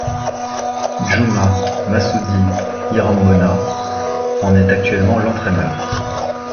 Djuma Masudi Irambona en est actuellement l'entraîneur.